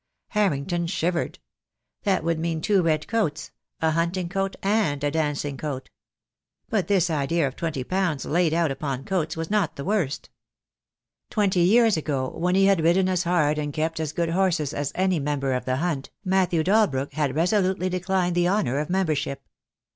Harrington shivered. That would mean two red coats — a hunting coat and a dancing coat. But this idea of twenty pounds laid out upon coats was not the worst. Twenty years ago, when he had ridden as hard and kept as good horses as any member of the Hunt, Matthew Dalbrook had resolutely declined the honour of member ship.